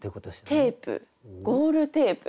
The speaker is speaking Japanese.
テープゴールテープ？